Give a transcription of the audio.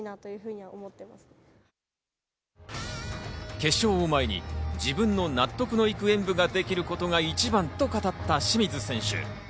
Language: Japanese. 決勝前に自分の納得のいく演武ができることが一番と語った清水選手。